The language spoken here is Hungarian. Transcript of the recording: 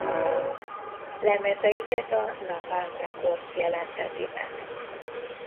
Lemezeiket a Napalm Records jelenteti meg.